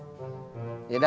ojak lagi di pangkalan mak